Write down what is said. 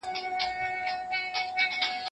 موږ ترتيب بيا زده کوو.